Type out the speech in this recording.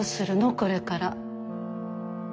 これから。